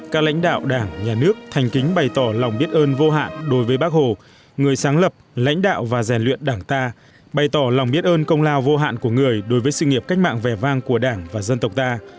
các lãnh đạo đảng nhà nước thành kính bày tỏ lòng biết ơn vô hạn đối với bác hồ người sáng lập lãnh đạo và rèn luyện đảng ta bày tỏ lòng biết ơn công lao vô hạn của người đối với sự nghiệp cách mạng vẻ vang của đảng và dân tộc ta